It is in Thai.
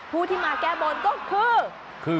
ผู้ที่มาแก้บนก็คือ